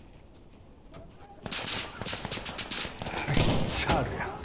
めっちゃあるやん。